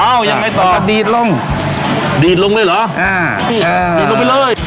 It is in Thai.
ยังไงต่อดีดลงดีดลงเลยเหรออ่าดีดลงไปเลย